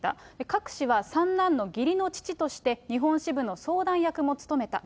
クァク氏は三男の義理の父として、日本支部の相談役も務めた。